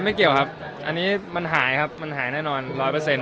ไม่เกี่ยวครับอันนี้มันหายครับมันหายแน่นอนร้อยเปอร์เซ็น